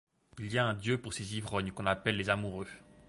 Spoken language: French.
Il y a un dieu pour ces ivrognes qu’on appelle les amoureux.